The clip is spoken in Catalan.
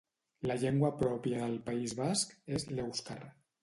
La llengua pròpia del País Basc és l'èuscar.